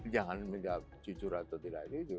jangan menjawab jujur atau tidak jujur